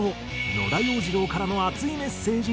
野田洋次郎からの熱いメッセージに。